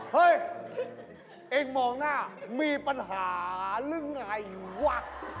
เฮ้ยเองมองหน้ามีปัญหาหรือไงวะ